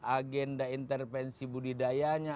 agenda intervensi budidayanya